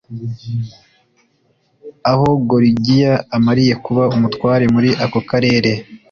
aho gorigiya amariye kuba umutware muri ako karere